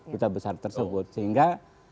duta besar tersebut sehingga